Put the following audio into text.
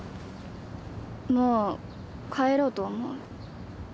もう帰ろうと思う。